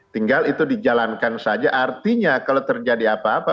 tinggal itu dijalankan saja artinya kalau terjadi apa apa